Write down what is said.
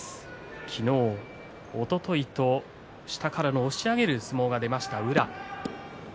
昨日、おとといと下から押し上げる相撲が出ました宇良。